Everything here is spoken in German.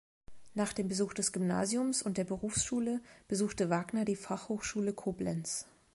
Nach dem Besuch des Gymnasiums und der Berufsschule besuchte Wagner die Fachhochschule Koblenz.